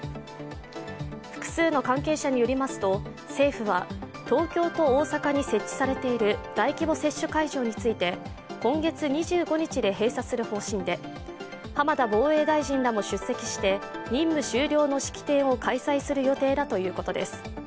複数の関係者によりますと、政府は東京と大阪に設置されている大規模接種会場について今月２５日で閉鎖する方針で、浜田防衛大臣らも出席して任務終了の式典を開催する予定だということです。